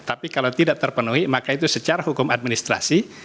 tapi kalau tidak terpenuhi maka itu secara hukum administrasi